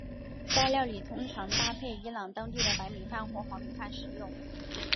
该料理通常搭配伊朗当地的白米饭或黄米饭食用。